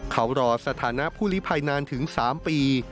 เขารอสถานะผู้ลิภัยนานถึง๓ปี